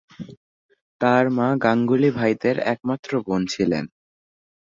তার মা গাঙ্গুলী ভাইদের একমাত্র বোন ছিলেন।